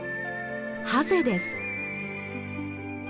ハゼです。